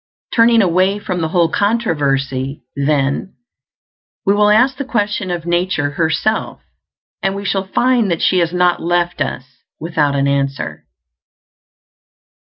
Turning away from the whole controversy, then, we will ask the question of nature herself, and we shall find that she has not left us without an answer.